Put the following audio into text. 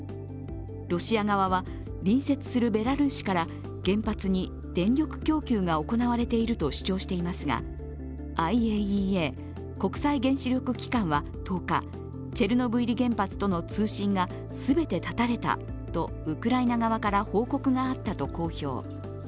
ロシア側は、隣接するベラルーシから原発に電力供給が行われていると主張していますがＩＡＥＡ＝国際原子力機関は１０日チェルノブイリ原発との通信が全て絶たれたとウクライナ側から報告があったと公表。